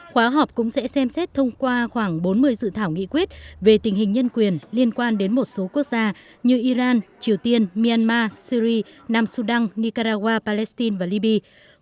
khóa học cũng sẽ xem xét thông qua khoảng bốn mươi dự thảo nghị quyết về tình hình nhân quyền liên quan đến một số quốc gia như iran triều tiên myanmar syri nam sudan nicaragua palestine và liby